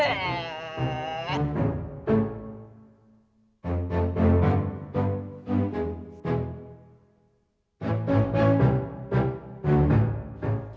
duh duh duh